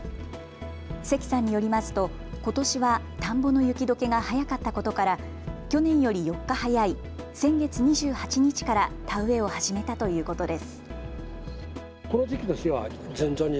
関さんによりますとことしは田んぼの雪どけが早かったことから、去年より４日早い先月２８日から田植えを始めたということです。